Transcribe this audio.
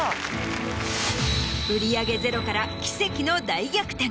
売り上げゼロから奇跡の大逆転。